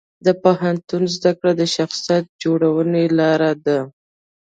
د پوهنتون زده کړه د شخصیت جوړونې لار ده.